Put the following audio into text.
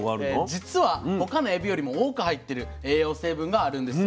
実は他のエビよりも多く入ってる栄養成分があるんです。